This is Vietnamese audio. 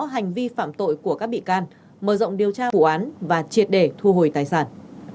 hành vi phạm tội của các bị can mở rộng điều tra vụ án và triệt để thu hồi tài sản